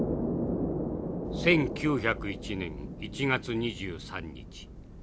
「１９０１年１月２３日。